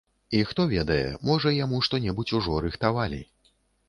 І хто ведае, можа яму што-небудзь ужо рыхтавалі.